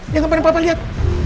yang tempat tempat liat